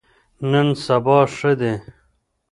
نن سبا ښه دي.